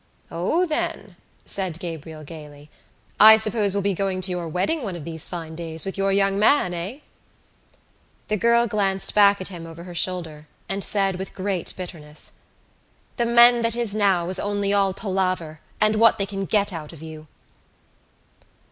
"O, then," said Gabriel gaily, "I suppose we'll be going to your wedding one of these fine days with your young man, eh?" The girl glanced back at him over her shoulder and said with great bitterness: "The men that is now is only all palaver and what they can get out of you."